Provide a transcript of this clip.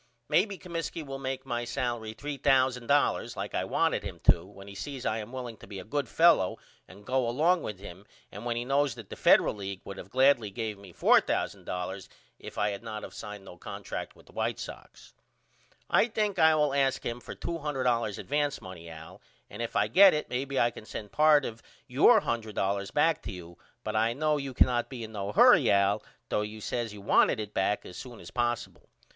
Maybe Comiskey will make my salery $3000 like I wanted him to when he sees I am willing to be a good fellow and go along with him and when he knows that the Federal League would of gladly gave me $4000 if I had not of signed no contract with the White Sox. I think I will ask him for $200 advance money Al and if I get it may be I can send part of your $100 back to you but I know you cannot be in no hurry Al though you says you wanted it back as soon as possible.